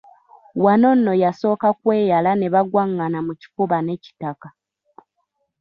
Wano nno yasooka kweyala ne bagwangana mu kifuba ne Kitaka.